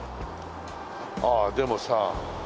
ああでもさ